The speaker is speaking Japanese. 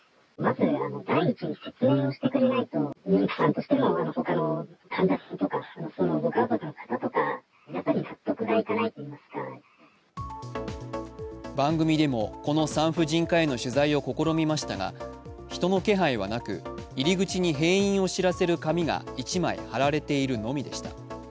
またこの産婦人科は番組でも、この産婦人科への取材を試みましたが、人の気配はなく入り口に閉院を知らせる紙が１枚貼られているのみでした。